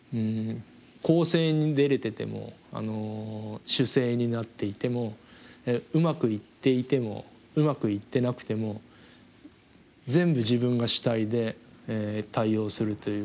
攻勢に出れてても守勢になっていてもうまくいっていてもうまくいってなくても全部自分が主体で対応するということ。